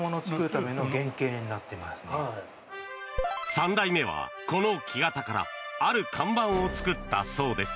３代目は、この木型からある看板を作ったそうです。